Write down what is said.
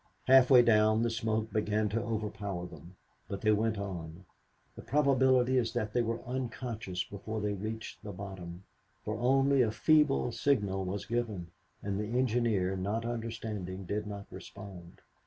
Halfway down the smoke began to overpower them, but they went on. The probability is that they were unconscious before they reached the bottom, for only a feeble signal was given, and the engineer, not understanding, did not respond.